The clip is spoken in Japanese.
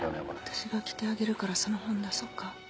私が着てあげるからその本出そっか。